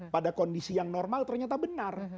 pada kondisi yang normal ternyata benar